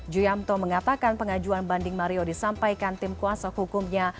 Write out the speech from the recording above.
ju yamto mengatakan pengajuan banding mario disampaikan tim kuasa hukumnya